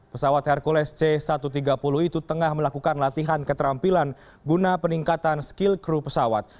pesawat hercules c satu ratus tiga puluh itu tengah melakukan latihan keterampilan guna peningkatan skill kru pesawat